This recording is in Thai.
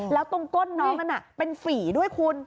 แล้วตรงก้นน้องนั้นเป็นฝีด้วยคุณ